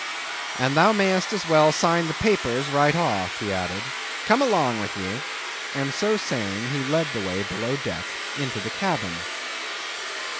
"And thou mayest as well sign the papers right off," he added—"come along with ye." And so saying, he led the way below deck into the cabin.